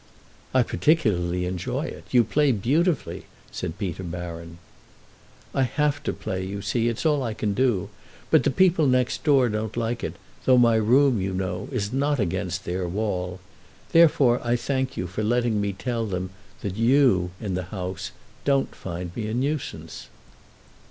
"I particularly enjoy it—you play beautifully," said Peter Baron. "I have to play, you see—it's all I can do. But the people next door don't like it, though my room, you know, is not against their wall. Therefore I thank you for letting me tell them that you, in the house, don't find me a nuisance."